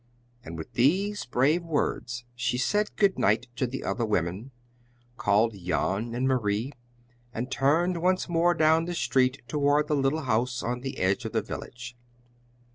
And with these brave words she said good night to the other women, called Jan and Marie, and turned once more down the street toward the little house on the edge of the village.